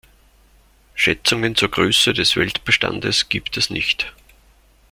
Schätzungen zur Größe des Weltbestandes gibt es nicht.